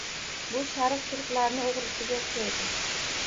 Bu shaqir-shuqurlarni o‘g‘risiga o’xshaydi.